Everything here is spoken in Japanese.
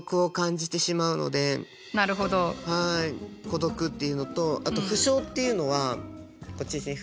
孤独っていうのとあと不詳っていうのはこっちですね。